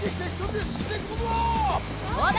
そうだ！